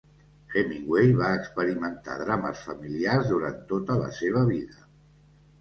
Hemingway va experimentar drames familiars durant tota la seva vida.